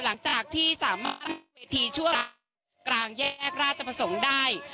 หลังจากที่สามารถเวทีช่วงกลางแยกราชประสงค์ได้